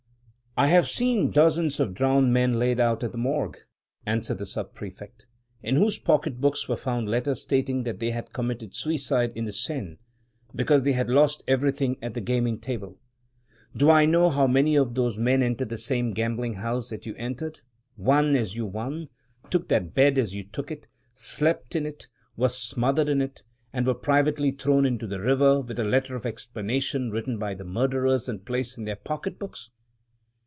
" "I have seen dozens of drowned men laid out at the Morgue," answered the Sub prefect, "in whose pocket books were found letters stating that they had committed suicide in the Seine, because they had lost everything at the gaming table. Do I know how many of those men entered the same gambling house that you entered? won as you won? took that bed as you took it? slept in it? were smothered in it? and were privately thrown into the river, with a letter of explanation written by the murderers and placed in their pocket books?